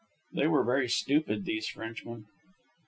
They were very stupid, these Frenchmen.